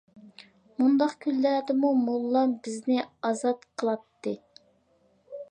مۇنداق كۈنلەردىمۇ موللام بىزنى ئازاد قىلاتتى.